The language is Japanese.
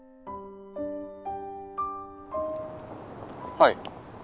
はい。